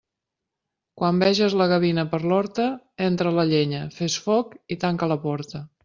Quan veges la gavina per l'horta, entra la llenya, fes foc i tanca la porta.